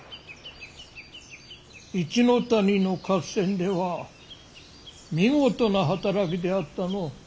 一ノ谷の合戦では見事な働きであったの。